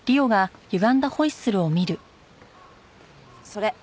それ